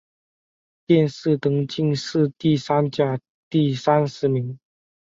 殿试登进士第三甲第三十名。